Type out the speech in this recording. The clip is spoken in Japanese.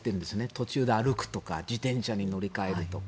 途中で歩くとか自転車に乗り換えるとか。